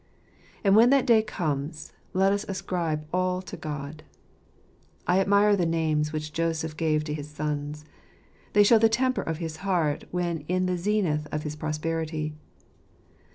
And when that day comes, let us ascribe all to God. I admire the names which Joseph gave to his sons. They show the temper of his heart when in the zenith of his prosperity.